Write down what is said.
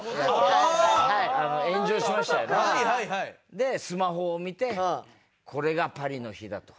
でスマホを見てこれが巴里の灯だと。